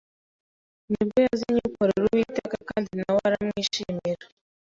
niwo yazanye akorera Uwiteka kandi nawe aramwishimira